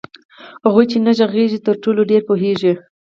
هغوئ چي نه ږغيږي ترټولو ډير پوهيږي